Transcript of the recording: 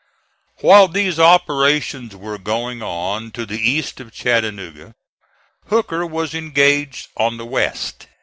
While these operations were going on to the east of Chattanooga, Hooker was engaged on the west.